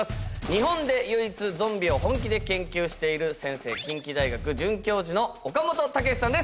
日本で唯一ゾンビを本気で研究している先生近畿大学准教授の岡本健さんです。